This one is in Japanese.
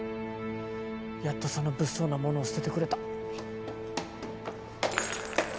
やっとその物騒なものを捨ててくれた。